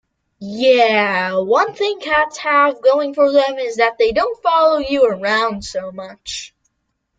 Yeah, one thing cats have going for them is that they don't follow you around so much.